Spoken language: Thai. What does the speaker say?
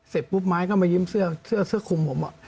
เสร็จปุ๊บไม้ก็มายิ้มเสื้อคุมผม